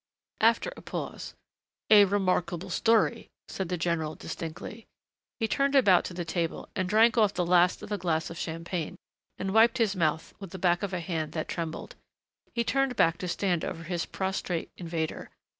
After a pause, "A remarkable story," said the general distinctly. He turned about to the table and drank off the last of a glass of champagne, then wiped his mouth with the back of a hand that trembled. He turned back to stand over his prostrate invader.